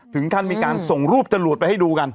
ถึงขั้นมีการส่งรูปจรวดไปให้ดูกัน